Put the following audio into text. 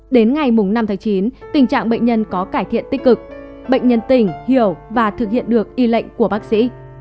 đến ngày năm tháng chín tình trạng bệnh nhân có cải thiện tích cực bệnh nhân tỉnh hiểu và thực hiện được y lệnh của bác sĩ